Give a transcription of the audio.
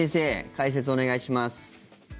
解説をお願いします。